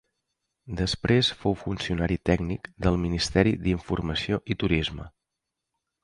Després fou funcionari tècnic del Ministeri d'Informació i Turisme.